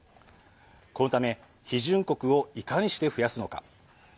このため批准国をいかにして増やすのか。